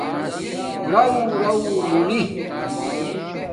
رݸرݸ مونی